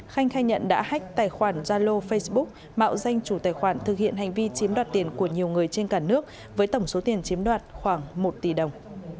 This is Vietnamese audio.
khanh khai nhận đã hách tài khoản zalo facebook mạo danh chủ tài khoản thực hiện hành vi chiếm đoạt tiền của nhiều người trên cả nước với tổng số tiền chiếm đoạt khoảng một tỷ đồng